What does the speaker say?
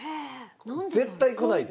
「絶対来ないで」。